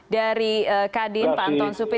dari kadin pak anton supir